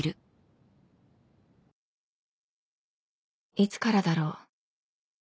いつからだろう